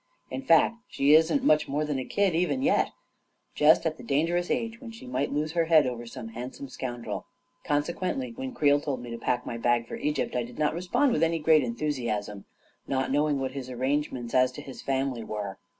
In 21 22 A KING IN BABYLON fact, she isn't much more than a kid, even yet ! Just at the dangerous age when she might lose her head over some handsome scoundrel. Consequently, when Creel told me to pack my bag for Egypt, I did not respond with any great enthusiasm, not knowing what his arrangements as to his family were.